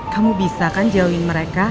kamu bisa kan join mereka